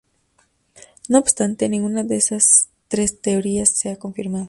No obstante, ninguna de esas tres teorías se ha confirmado.